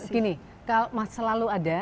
gini selalu ada